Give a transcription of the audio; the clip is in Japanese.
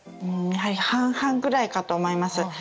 半々ぐらいかと思います。